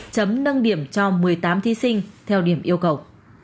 chấm nâng điểm cho một mươi tám thí sinh theo điểm yêu cầu